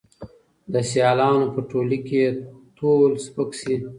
د سیالانو په ټولۍ کي یې تول سپک سي